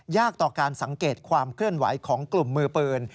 ต่อการสังเกตความเคลื่อนไหวของกลุ่มมือปืน